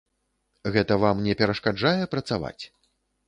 Гэта вам не перашкаджае працаваць?